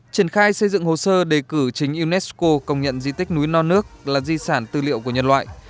triển khai xây dựng hồ sơ đề cử chính unesco công nhận di tích núi non nước là di sản tư liệu của nhân loại